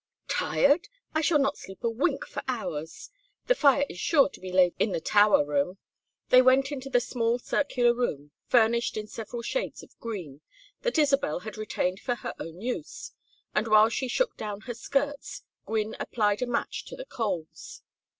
"Tired? I shall not sleep a wink for hours. The fire is sure to be laid in the tower room." They went into the small circular room, furnished in several shades of green, that Isabel had retained for her own use, and while she shook down her skirts Gwynne applied a match to the coals.